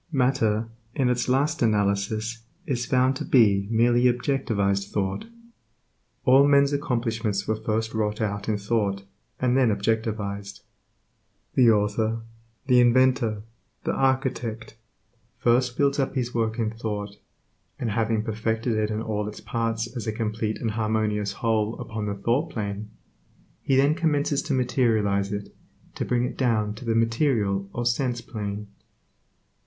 Matter in its last analysis is found to be merely objectivized thought. All men's accomplishments were first wrought out in thought, and then objectivized. The author, the inventor, the architect, first builds up his work in thought, and having perfected it in all its parts as a complete and harmonious whole upon the thought plane. he then commences to materialize it, to bring it down to the material or sense plane.